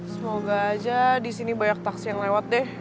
semoga aja disini banyak taksi yang lewat deh